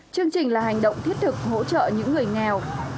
chương trình là hành động thiết thực hỗ trợ những người nghèo